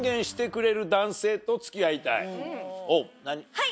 はい！